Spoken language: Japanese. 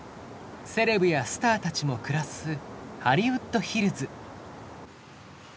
セレブやスターたちも暮らすハリウッドヒルズ。